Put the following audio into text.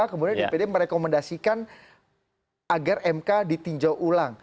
kemudian dpd merekomendasikan agar mk ditinjau ulang